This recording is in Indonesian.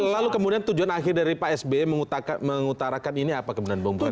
lalu kemudian tujuan akhir dari pak s b mengutarakan ini apa kebenaran bumpari